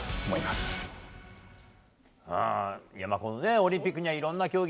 オリンピックにはいろんな競技